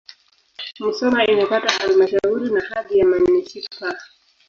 Musoma imepata halmashauri na hadhi ya manisipaa.